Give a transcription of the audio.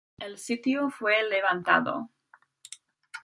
El sitio fue levantado.